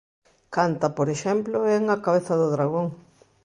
Canta, por exemplo, en 'A cabeza do dragón'.